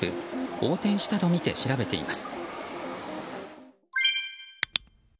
横転したとみて調べています。